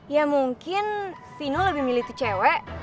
ya mungkin vino lebih milih tuh cewek